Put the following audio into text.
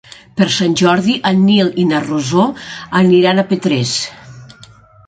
Per Sant Jordi en Nil i na Rosó aniran a Petrés.